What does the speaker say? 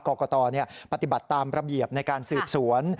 กรกตปฏิบัติตามระเบียบในการสืบสวน